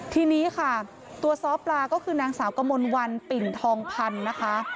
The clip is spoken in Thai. ทีนี้ค่ะตัวซ้อปลาก็คือนางสาวกมลวันปิ่นทองพันธ์นะคะ